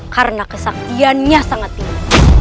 karena kesaktiannya sangat tinggi